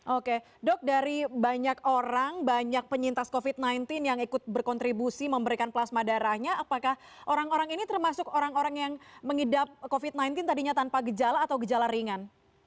oke dok dari banyak orang banyak penyintas covid sembilan belas yang ikut berkontribusi memberikan plasma darahnya apakah orang orang ini termasuk orang orang yang mengidap covid sembilan belas tadinya tanpa gejala atau gejala ringan